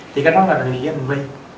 thì cái đó là đùi với hành vi